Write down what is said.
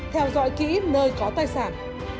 theo dõi kỹ nơi có tài sản